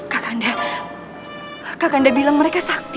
kakanda kakanda bilang mereka sakti